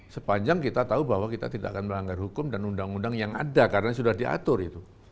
sepanjang kita tahu bahwa kita tidak akan melanggar hukum dan undang undang yang ada karena sudah diatur itu